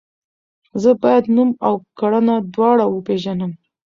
زه باید نوم او کړنه دواړه وپیژنم.